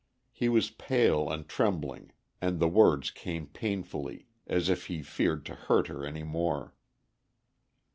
He was pale and trembling, and the words came painfully, as if he feared to hurt her any more.